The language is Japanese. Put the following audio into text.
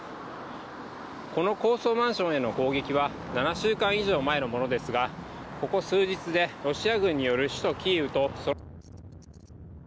この高層マンションへの攻撃は７週間以上前のものですが、ここ数日でロシア軍による首都キーウと。